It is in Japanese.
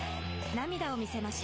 涙を見せました。